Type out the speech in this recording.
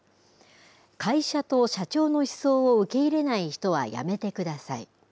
会社と社長の思想を受け入れない人は辞めてください。